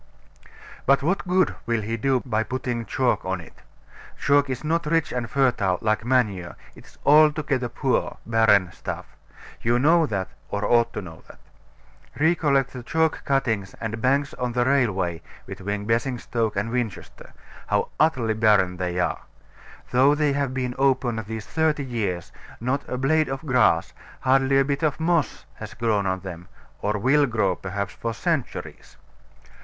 But what good will he do by putting chalk on it? Chalk is not rich and fertile, like manure, it is altogether poor, barren stuff: you know that, or ought to know it. Recollect the chalk cuttings and banks on the railway between Basingstoke and Winchester how utterly barren they are. Though they have been open these thirty years, not a blade of grass, hardly a bit of moss, has grown on them, or will grow, perhaps, for centuries.